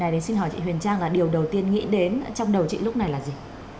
đầu tiên nghĩ đến trong đầu chị lúc này là gì